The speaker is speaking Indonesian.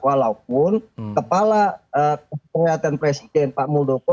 walaupun kepala pernyataan presiden pak muldoko